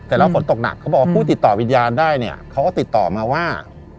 แต่แล้วฝนตกหนักเขาบอกผู้ติดต่อวิญญาณได้เขาก็ติดต่อมาว่า